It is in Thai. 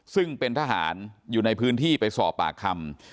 ซึ่งเป็นทหารอยู่ในพื้นที่ไปสอบปากคำ